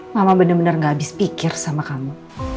mama bener bener gak habis pikir sama kamu